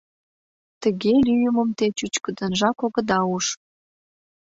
Тыге лӱйымым те чӱчкыдынжак огыда уж!